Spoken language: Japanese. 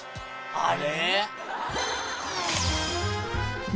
あれ？